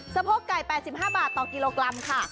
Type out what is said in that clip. สะโพกไก่๘๕บาทต่อกิโลกรัมค่ะ